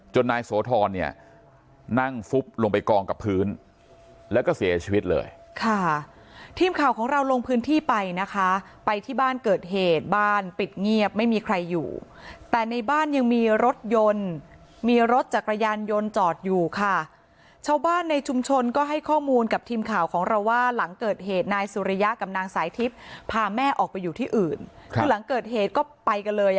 นายโสธรเนี่ยนั่งฟุบลงไปกองกับพื้นแล้วก็เสียชีวิตเลยค่ะทีมข่าวของเราลงพื้นที่ไปนะคะไปที่บ้านเกิดเหตุบ้านปิดเงียบไม่มีใครอยู่แต่ในบ้านยังมีรถยนต์มีรถจักรยานยนต์จอดอยู่ค่ะชาวบ้านในชุมชนก็ให้ข้อมูลกับทีมข่าวของเราว่าหลังเกิดเหตุนายสุริยะกับนางสายทิพย์พาแม่ออกไปอยู่ที่อื่นคือหลังเกิดเหตุก็ไปกันเลย